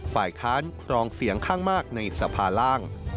ฝ่ายค้านครองเสียงข้างมากในสภาล่าง